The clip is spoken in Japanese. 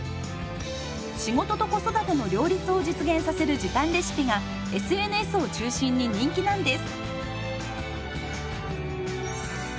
仕事と子育ての両立を実現させる時短レシピがＳＮＳを中心に人気なんです。